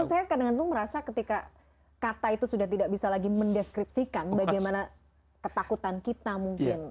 tapi saya kadang kadang merasa ketika kata itu sudah tidak bisa lagi mendeskripsikan bagaimana ketakutan kita mungkin